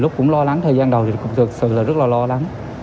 lúc cũng lo lắng thời gian đầu thì cũng thực sự là rất là lo lắng